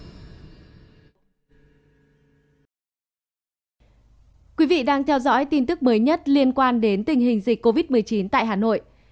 thưa quý vị đang theo dõi tin tức mới nhất liên quan đến tình hình dịch covid một mươi chín tại hà nội